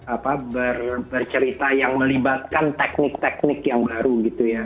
apa bercerita yang melibatkan teknik teknik yang baru gitu ya